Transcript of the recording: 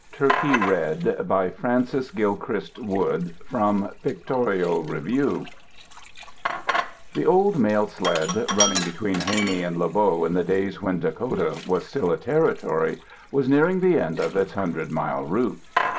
TURKEY RED BY FRANCES GILCHRIST WOOD From Pictorial Review The old mail sled running between Haney and Le Beau, in the days when Dakota was still a Territory, was nearing the end of its hundred mile route.